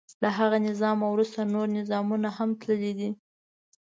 له هغه نظام وروسته نور نظامونه هم تللي.